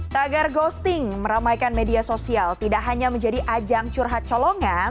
tagar ghosting meramaikan media sosial tidak hanya menjadi ajang curhat colongan